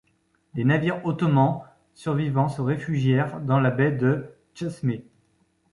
Les navires ottomans survivants se réfugièrent dans la baie de Tchesmé.